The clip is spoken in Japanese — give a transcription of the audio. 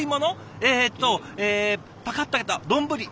えっとえパカッと開けた丼。